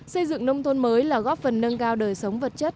xây dựng nông thôn mới là góp phần nâng cao đời sống vật chất